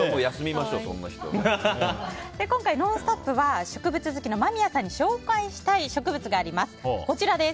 今回、「ノンストップ！」は植物好きの間宮さんに紹介したい植物があります。